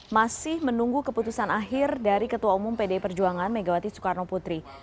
masih menunggu keputusan akhir dari ketua umum pdi perjuangan megawati soekarno putri